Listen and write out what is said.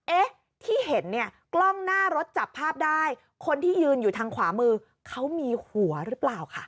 เอ๊ะที่เห็นเนี่ยกล้องหน้ารถจับภาพได้คนที่ยืนอยู่ทางขวามือเขามีหัวหรือเปล่าค่ะ